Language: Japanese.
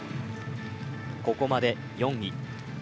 ここまで４位。